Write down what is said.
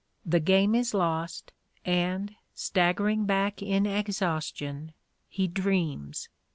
The game is lost, and, staggering back in exhaustion, he dreams.